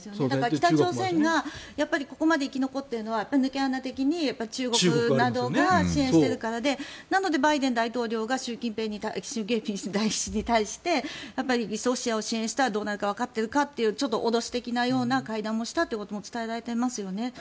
だから北朝鮮がやっぱりここまで生き残っているのは抜け穴的に中国などが支援しているからでなのでバイデン大統領が習近平氏に対してロシアを支援したらどうなるかわかっているかというちょっと脅し的な会談をしたことも伝えられていますよね。